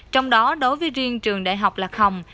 trong đó đối với riêng trường đại học lạc hồng